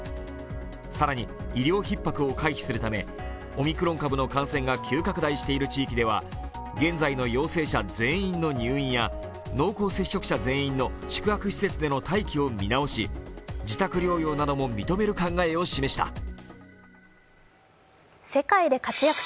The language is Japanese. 更に医療ひっ迫を回避するためオミクロン株の感染が急拡大している地域では現在の陽性者全員の入院や濃厚接触者全員の宿泊施設での待機を見直し自宅療養なども認める考えを示した。